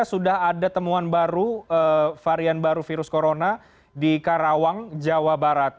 sudah ada temuan baru varian baru virus corona di karawang jawa barat